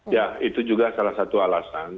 ya itu juga salah satu alasan